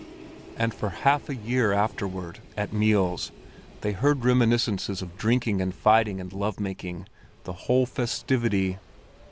And for half a year afterward, at meals, they heard reminiscences of drinking and fighting and love making—the whole festivity.